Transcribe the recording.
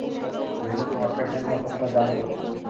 Joseph তোমার pregnant হওয়ার কথাটা জানতো?